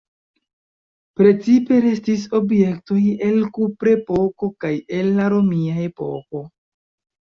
Precipe restis objektoj el kuprepoko kaj el la romia epoko.